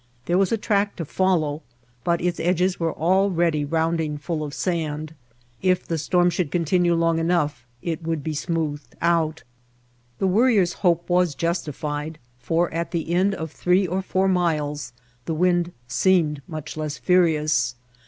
There was a track to follow, but its edges were already rounding full of sand. If the storm should continue long enough it would be smoothed out. The Worrier's hope was justified, for at the end of three or four miles the wind seemed much less furious.